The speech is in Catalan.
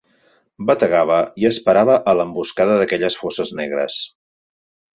Bategava i esperava a l'emboscada d'aquelles fosses negres.